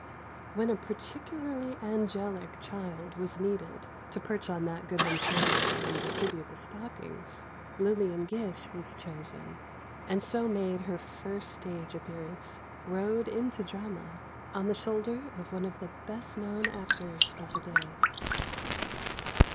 When a particularly angelic child was needed, to perch on Nat Goodwin's shoulder and distribute the stockings, Lillian Gish was chosen, and so made her first stage appearance—rode into the drama—on the shoulder of one of the best known actors of the day.